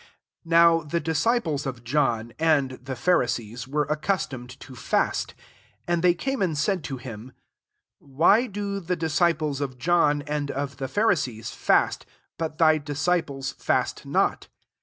18 NOW Ae disciples of John, and the Pharisees, were accustomed to fast : and they came and said to him, " Why do the disciples of John, and of the Pharisees fast, but thy dis ciples fast not